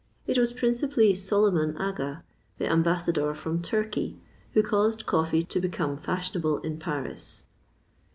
It was principally Soliman Aga, the ambassador from Turkey, who caused coffee to become fashionable in Paris.